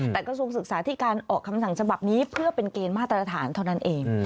แต่กระทรวงศึกษาที่การออกคำสั่งฉบับนี้เพื่อเป็นเกณฑ์มาตรฐานเท่านั้นเอง